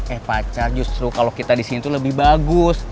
eh pacar justru kalau kita di sini tuh lebih bagus